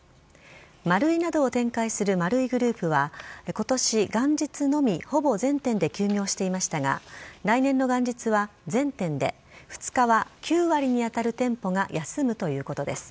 マルイなどを展開する丸井グループは今年元日のみほぼ全店で休業していましたが来年の元日は全店で２日は９割に当たる店舗が休むということです。